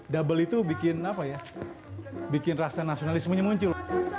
double itu bikin rasa nasionalismenya muncul